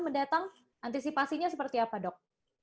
mendatang antisipasinya seperti apa dok